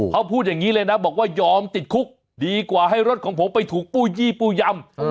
เขาพูดอย่างนี้เลยนะบอกว่ายอมติดคุกดีกว่าให้รถของผมไปถูกปู้ยี่ปู้ยำ